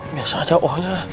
biasa ada ohnya